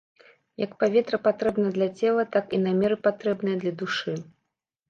Як паветра патрэбна для цела, так і намеры патрэбныя для душы.